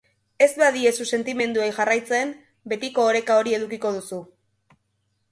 Ez badiezue sentimenduei jarraitzen, betiko oreka hori edukiko duzu.